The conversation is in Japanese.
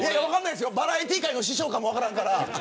バラエティー界の師匠かも分からんから。